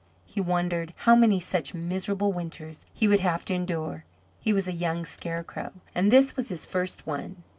He wondered how many such miserable winters he would have to endure. He was a young Scarecrow, and this was his first one.